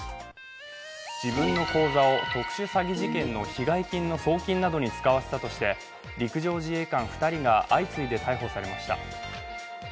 自分の口座を特殊詐欺事件の被害金の送金などに使われたとして陸上自衛官２人が相次いで逮捕されました。